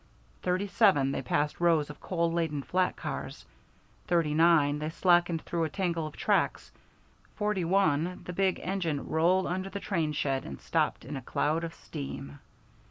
Thirty seven they passed rows of coal laden flat cars; thirty nine, they slackened through a tangle of tracks; forty one, the big engine rolled under the train shed and stopped in a cloud of steam.